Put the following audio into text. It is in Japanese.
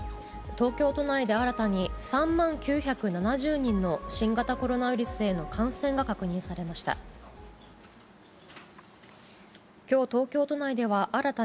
東京都内で新たに３万９７０人の新型コロナウイルスへの感染が確認されました。